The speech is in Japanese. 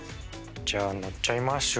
じゃ乗っちゃいます。